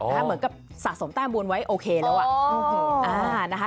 เหมือนกับสะสมแต้มบุญไว้โอเคแล้วอ่ะนะคะ